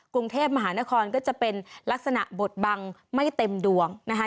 กรุงเทพมหานครก็จะเป็นลักษณะบทบังไม่เต็มดวงนะคะ